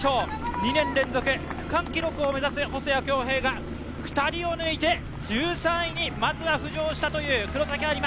２年連続、区間記録を目指す細谷恭平が２人を抜いて１３位にまずは浮上したという黒崎播磨。